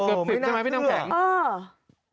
เกือบสิบใช่ไหมพี่น้ำแข็งเออไม่น่าเกือบ